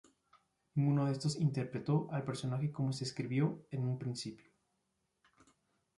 Ninguno de estos interpretó al personaje como se escribió en un principio.